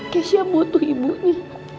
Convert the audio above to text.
kesya butuh ibunya